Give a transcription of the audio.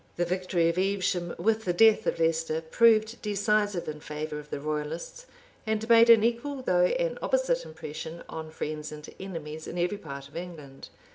[*] {1266.} The victory of Evesham, with the death of Leicester, proved decisive in favor of the royalists, and made an equal though an opposite impression on friends and enemies, in every part of England.